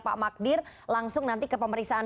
pak magdir langsung nanti ke pemeriksaan